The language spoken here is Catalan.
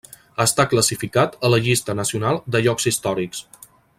Està classificat a la llista nacional de llocs històrics.